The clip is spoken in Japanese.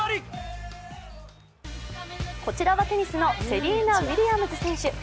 こちらは、テニスのセリーナ・ウィリアムズ選手。